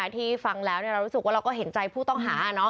ที่ฟังแล้วเรารู้สึกว่าเราก็เห็นใจผู้ต้องหา